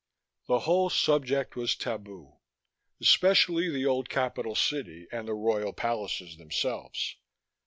The whole subject was tabu especially the old capital city and the royal palaces themselves.